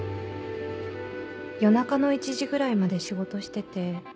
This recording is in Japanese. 夜中の１時ぐらいまで仕事してて。